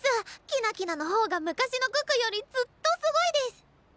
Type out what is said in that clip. きなきなの方が昔の可可よりずっとすごいデス！